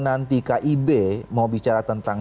nanti kib mau bicara tentang